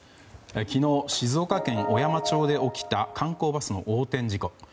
昨日、静岡県小山町で起きた観光バスの横転事故。